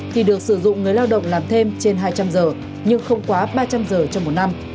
thì được sử dụng người lao động làm thêm trên hai trăm linh giờ nhưng không quá ba trăm linh giờ trong một năm